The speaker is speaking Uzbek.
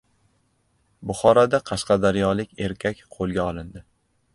Buxoroda qashqadaryolik erkak qo‘lga olindi